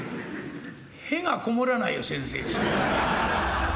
「屁が籠もらないよ先生」って。